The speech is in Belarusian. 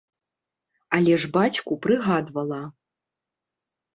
Але ж бацьку прыгадвала.